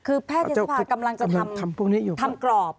คือแพทย์เสฟฟ้ากำลังจะทำกรอบ